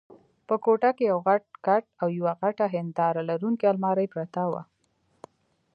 په کوټه کې یو غټ کټ او یوه غټه هنداره لرونکې المارۍ پرته وه.